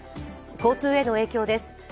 交通への影響です。